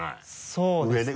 そうですね。上ね。